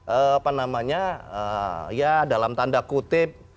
apa namanya ya dalam tanda kutip